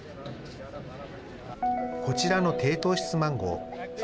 こちらの低糖質マンゴー。